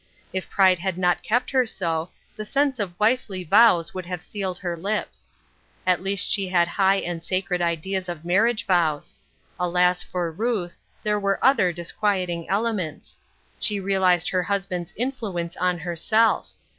If pride had not kept her so, the sense of wifely vows would have sealed her lips. At least she had high and sacred ideas of mar riage vows. Alas for Ruth, there were other disquieting elements. She realized her hus band's influence on herself.